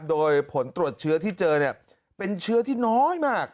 โดยผลตรวจเชื้อที่เจอเป็นเชื้อที่น้อยมาก